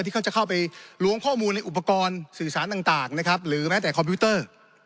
ที่เขาจะเข้าไปล้วงข้อมูลในอุปกรณ์สื่อสารต่างนะครับหรือแม้แต่คอมพิวเตอร์